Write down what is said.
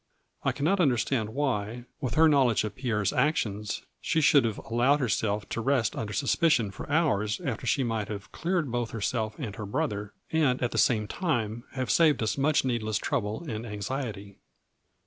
I cannot understand why, with her knowledge of Pierre's actions, she should have allowed herself to rest under sus picion for hours after she might have cleared both herself and her brother, and at the same time have saved us much needless trouble and anxiety."